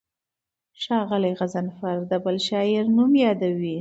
ښاغلی غضنفر د بل شاعر نوم یادوي.